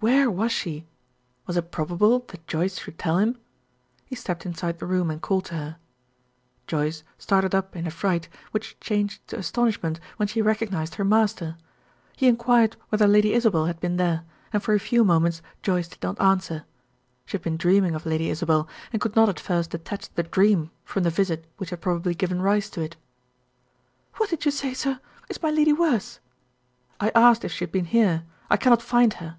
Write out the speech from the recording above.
Where was she? Was it probable that Joyce should tell him? He stepped inside the room and called to her. Joyce started up in a fright, which changed to astonishment when she recognized her master. He inquired whether Lady Isabel had been there, and for a few moments Joyce did not answer. She had been dreaming of Lady Isabel, and could not at first detach the dream from the visit which had probably given rise to it. "What did you say, sir? Is my lady worse?" "I asked if she had been here. I cannot find her."